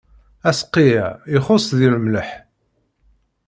Aseqqi-a ixuṣṣ deg lemleḥ.